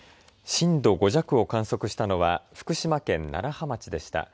震度５弱を観測したのは福島県楢葉町でした。